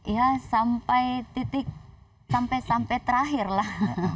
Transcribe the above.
ya sampai titik sampai sampai terakhirlah